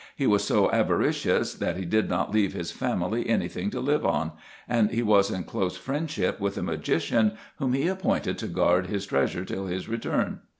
He was so avaricious, that he did not leave his family any thing to live on ; and he was in close friendship with a magician, whom he appointed to guard his treasure till his return.